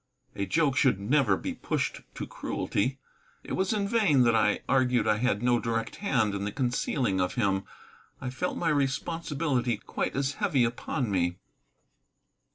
A joke should never be pushed to cruelty. It was in vain that I argued I had no direct hand in the concealing of him; I felt my responsibility quite as heavy upon me.